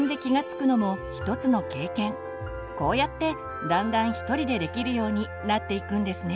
こうやってだんだんひとりでできるようになっていくんですね。